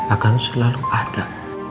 akan selalu ada